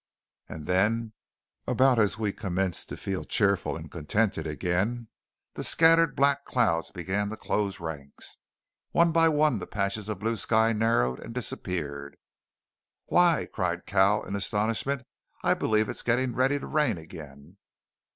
And then, about as we commenced to feel cheerful and contented again, the scattered black clouds began to close ranks. One by one the patches of blue sky narrowed and disappeared. "Why!" cried Cal in astonishment, "I believe it's getting ready to rain again!"